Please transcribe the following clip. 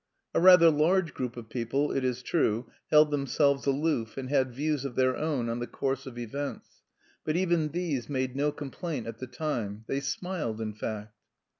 A rather large group of people, it is true, held themselves aloof, and had views of their own on the course of events. But even these made no complaint at the time; they smiled, in fact.